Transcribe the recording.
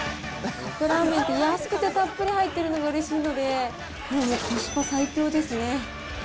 カップラーメンって、安くてたっぷり入っているのがうれしいので、もうコスパ最強ですね。